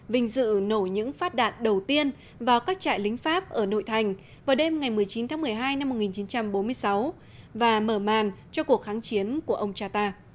vinh dự nổ những phát đạn đầu tiên vào các trại lính pháp ở nội thành vào đêm ngày một mươi chín tháng một mươi hai năm một nghìn chín trăm bốn mươi sáu và mở màn cho cuộc kháng chiến của ông cha ta